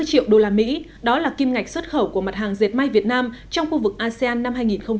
tám trăm sáu mươi triệu đô la mỹ đó là kim ngạch xuất khẩu của mặt hàng diệt may việt nam trong khu vực asean năm hai nghìn một mươi bảy